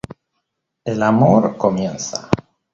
El amor comienza.